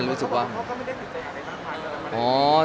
แล้วถ่ายละครมันก็๘๙เดือนอะไรอย่างนี้